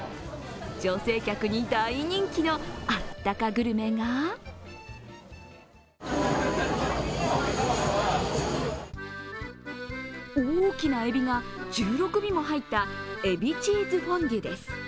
女性客に大人気のあったかグルメが大きなエビが１６尾も入ったエビチーズフォンデュです。